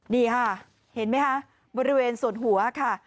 นี่ค่ะเห็นไหมคะบริเวณส่วนหัวค่ะ